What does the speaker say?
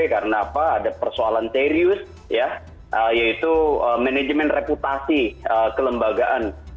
karena apa ada persoalan serius ya yaitu manajemen reputasi kelembagaan